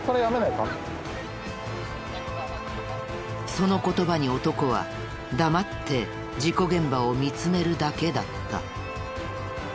その言葉に男は黙って事故現場を見つめるだけだった。